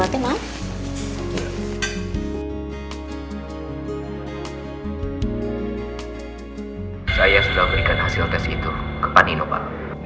saya sudah berikan hasil tes itu ke panino pak